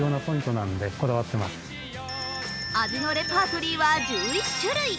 味のレパートリーは１１種類。